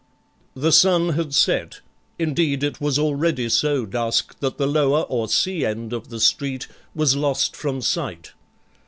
The sun had set; indeed, it was already so dusk that the lower or sea end of the street was lost from sight.